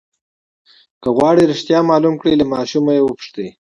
که غواړئ رښتیا معلوم کړئ له ماشوم یې وپوښته.